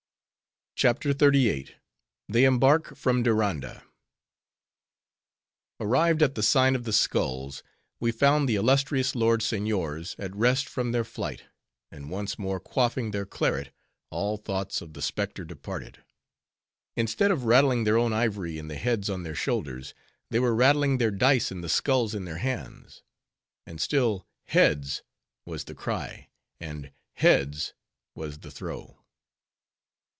CHAPTER XXXVIII. They Embark From Diranda Arrived at the Sign of the Skulls, we found the illustrious lord seigniors at rest from their flight, and once more, quaffing their claret, all thoughts of the specter departed. Instead of rattling their own ivory iii the heads on their shoulders, they were rattling their dice in the skulls in their hands. And still "Heads," was the cry, and "Heads," was the throw.